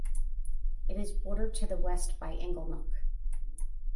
It is bordered to the west by Inglenook.